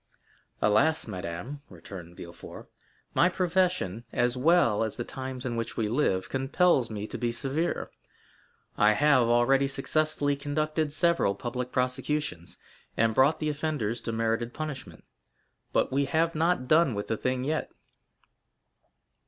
"Alas, madame," returned Villefort, "my profession, as well as the times in which we live, compels me to be severe. I have already successfully conducted several public prosecutions, and brought the offenders to merited punishment. But we have not done with the thing yet."